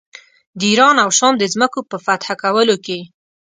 د ایران او شام د ځمکو په فتح کولو کې.